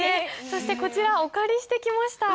そしてこちらお借りしてきました。